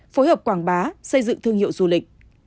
phối hợp quảng bá xây dựng thương hiệu du lịch